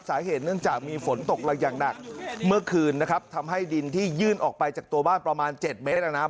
สาเหตุเนื่องจากมีฝนตกละอย่างหนักเมื่อคืนนะครับทำให้ดินที่ยื่นออกไปจากตัวบ้านประมาณเจ็ดเมตรนะครับ